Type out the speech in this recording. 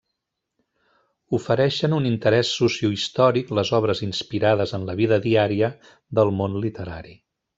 Ofereixen un interès sociohistòric les obres inspirades en la vida diària del món literari.